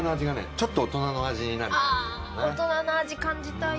ちょっと大人の味になる。